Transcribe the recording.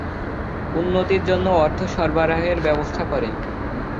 উন্নতির জন্য অর্থ সরবরাহের ব্যবস্থা করেন।